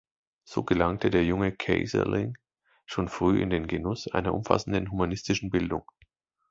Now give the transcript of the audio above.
So gelangte der junge Keyserling schon früh in den Genuss einer umfassenden humanistischen Bildung.